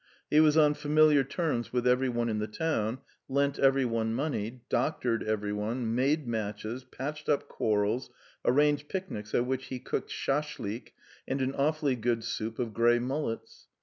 He was on familiar terms with every one in the town, lent every one money, doctored every one, made matches, patched up quarrels, arranged picnics at which he cooked shashlik and an awfully good soup of grey mullets.